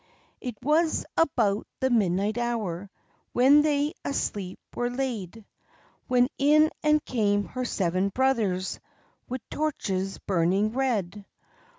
It was about the midnight hour, When they asleep were laid, When in and came her seven brothers, Wi' torches burning red.